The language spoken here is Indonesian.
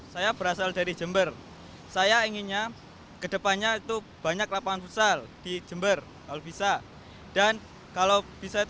saya berasal dari jember saya inginnya ke depannya itu banyak lapangan fusal di jember kalau bisa